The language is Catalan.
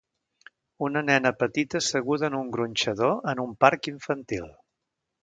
Una nena petita asseguda en un gronxador en un parc infantil.